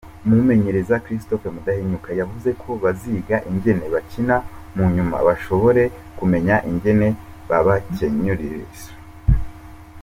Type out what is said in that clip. Umumenyereza Christophe Mudahinyuka yavuze ko baziga ingene bakina, munyuma bashobore kumenya ingene babakenyurira.